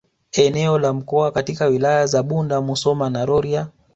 Eneo la mkoa katika Wilaya za Bunda Musoma na Rorya